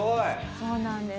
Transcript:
そうなんです。